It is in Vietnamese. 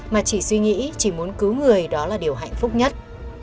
mà chỉ suy nghĩ chỉ muốn cứu người đó là điều hạnh phúc nhất